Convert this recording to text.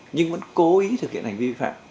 nhưng vẫn cố ý thực hiện hành vi vi phạm